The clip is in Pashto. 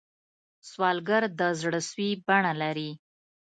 سوالګر د زړه سوې بڼه لري